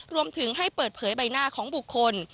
รวมถึงให้เปิดเผยใบหน้าของบุคคล